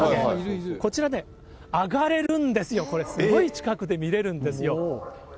こちらね、上がれるんですよ、これ、すごい近くで見れるんですよ。